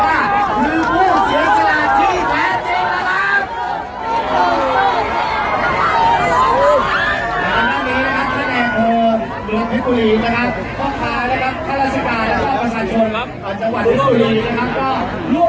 ขอบคุณมากนะคะแล้วก็แถวนี้ยังมีชาติของ